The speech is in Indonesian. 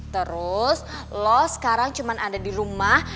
terus lo sekarang cuma ada di rumah